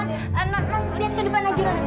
nang nang lihat ke depan aja rani